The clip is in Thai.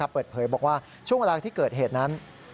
เปิดเผยบอกว่าช่วงเวลาที่เกิดเหตุนั้น